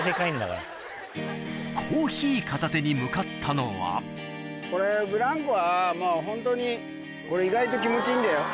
コーヒー片手に向かったのはこれブランコはもうホントにこれ意外と気持ちいいんだよ。